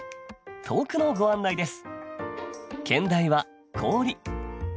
投句のご案内です